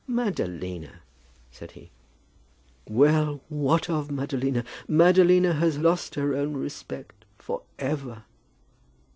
"Madalina!" said he. "Well, what of Madalina? Madalina has lost her own respect, for ever."